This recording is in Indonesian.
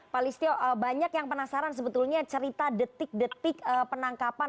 pak listio banyak yang penasaran sebetulnya cerita detik detik penangkapan